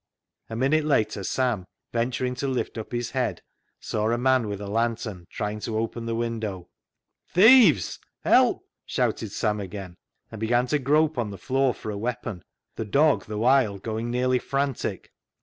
A minute later, Sam, venturing to lift up his head, saw a man with a lantern trying to open the window. " Thieves ! Help !" shouted Sam again, and began to grope on the floor for a weapon, the dog the while going nearly frantic.